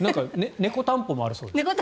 猫たんぽもあるそうです。